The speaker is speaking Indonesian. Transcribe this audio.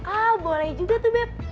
ah boleh juga tuh bep